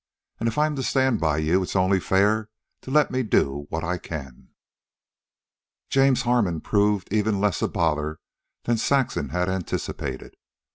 And if I'm to stand by you it's only fair to let me do what I can." James Harmon proved even less a bother than Saxon had anticipated.